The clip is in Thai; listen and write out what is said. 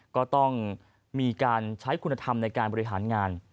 ก็ต้องมีการใช้คุณธรรมในการบริหารงาน